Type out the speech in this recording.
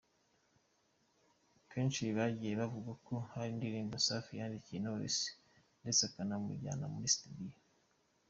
Kenshi byagiye bivugwa ko hari indirimbo Safi yandikiye Knowless ndetse akanamujyana muri Studio.